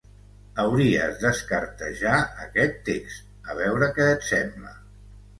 Hauries d'escartejar aquest text, a veure què et sembla.